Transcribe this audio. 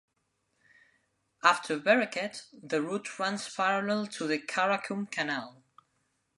After Bereket, the route runs parallel to the Karakum Canal.